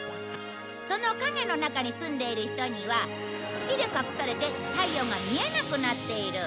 その影の中に住んでいる人には月で隠されて太陽が見えなくなっている。